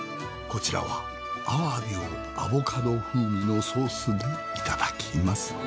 こちらはアワビをアボカド風味のソースでいただきます。